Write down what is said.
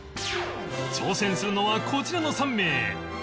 挑戦するのはこちらの３名